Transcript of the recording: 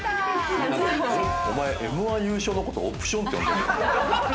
おまえ、Ｍ−１優勝のことオプションって呼んでるの？